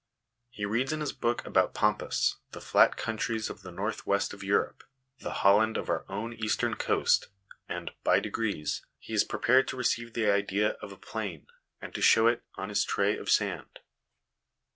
He reads in his book about Pampas, the flat countries of the north west of Europe, the Holland of our own eastern coast, and, by degrees, he is prepared to receive the idea of a plain, and to show it on his tray of sand.